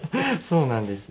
そうなんです。